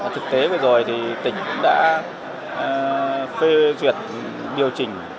thực tế vừa rồi thì tỉnh cũng đã phê duyệt điều chỉnh